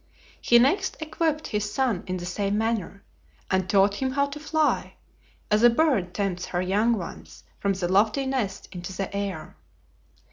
He next equipped his son in the same manner, and taught him how to fly, as a bird tempts her young ones from the lofty nest into the air.